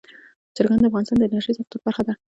چرګان د افغانستان د انرژۍ سکتور برخه ده.